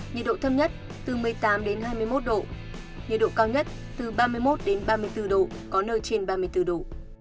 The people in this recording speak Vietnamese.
nhiệt độ thâm nhất phía bắc từ một mươi tám đến hai mươi một độ nhiệt độ cao nhất phía nam từ ba mươi một đến ba mươi bốn độ có nơi trên ba mươi bốn độ